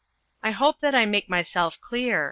I hope that I make myself clear.